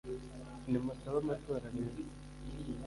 nimusabe amatora rero!